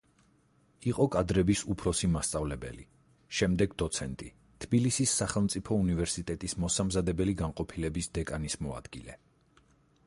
იყო კადრების უფროსი მასწავლებელი, შემდეგ დოცენტი, თბილისის სახელმწიფო უნივერსიტეტის მოსამზადებელი განყოფილების დეკანის მოადგილე.